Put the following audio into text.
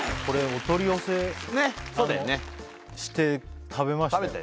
これお取り寄せして食べました